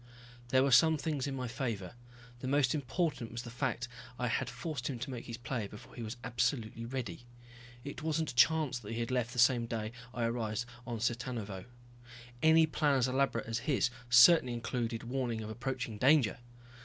There were some things in my favor. The most important was the fact I had forced him to make his play before he was absolutely ready. It wasn't chance that he had left the same day I arrived on Cittanuvo. Any plan as elaborate as his certainly included warning of approaching danger.